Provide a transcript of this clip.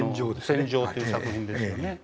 「戦場」という作品ですよね。